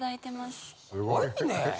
すごいね。